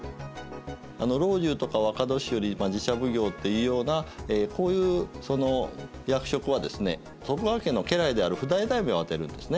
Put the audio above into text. あの老中とか若年寄寺社奉行というようなこういうその役職はですね徳川家の家来である譜代大名を充てるんですね。